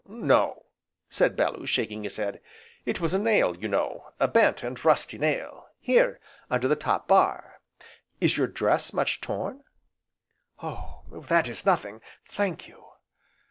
"No," said Bellew, shaking his head, "it was a nail, you know, a bent, and rusty nail, here, under the top bar. Is your dress much torn?" "Oh, that is nothing, thank you!"